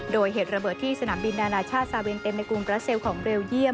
โดยเหตุระเบิดที่สนามบินนานาชาติซาเวนเต็มในกรุงบราเซลของเบลเยี่ยม